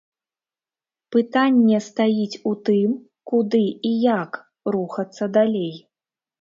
Пытанне стаіць у тым, куды і як рухацца далей.